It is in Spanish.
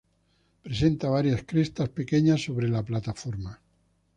Presenta varias crestas pequeñas sobre la plataforma.